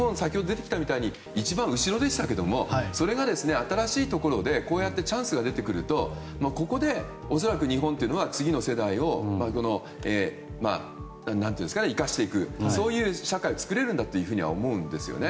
今、日本、一番後ろでしたけどそれが新しいところでこうやってチャンスが出てくるとここで恐らく日本というのは次の世代を生かしていく、そういう社会を作れると思うんですね。